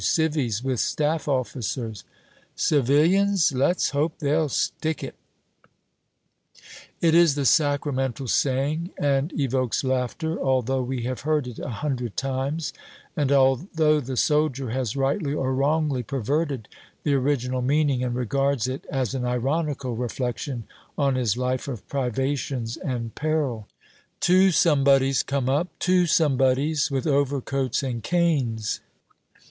Civvies, with Staff officers." "Civilians! Let's hope they'll stick it!" [note 3] It is the sacramental saying and evokes laughter, although we have heard it a hundred times, and although the soldier has rightly or wrongly perverted the original meaning and regards it as an ironical reflection on his life of privations and peril. Two Somebodies come up; two Somebodies with overcoats and canes.